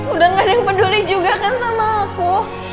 udah gak ada yang peduli juga kan sama aku